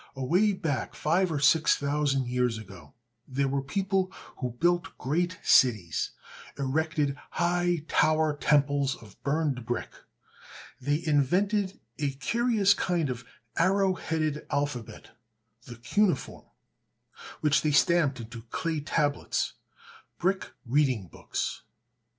Away back five or six thousand years ago there were people who built great cities, erected high tower temples of burned brick. They invented a curious kind of arrow headed alphabet (the cuneiform), which they stamped into clay tablets, brick reading books.